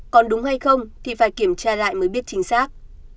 còn đúng hay không thì phải kiểm tra lại mới biết chính xác